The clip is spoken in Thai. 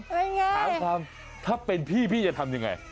เป็นไงพี่ฝนถ้าเป็นพี่พี่จะทำยังไง